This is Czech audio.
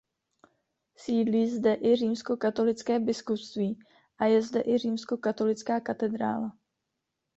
Sídlí zde i římskokatolické biskupství a je zde i římskokatolická katedrála.